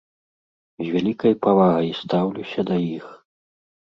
З вялікай павагай стаўлюся да іх.